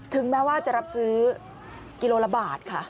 แม้ว่าจะรับซื้อกิโลละบาทค่ะ